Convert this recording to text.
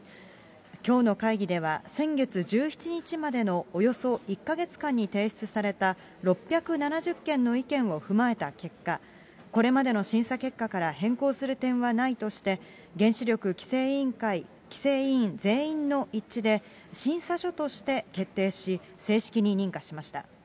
きょうの会議では、先月１７日までのおよそ１か月間に提出された、６７０件の意見を踏まえた結果、これまでの審査結果から変更する点はないとして、原子力規制委員全員の一致で、審査書として決定し、正式に認可しました。